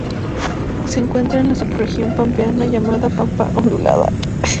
Se encuentra en la subregión pampeana llamada pampa ondulada.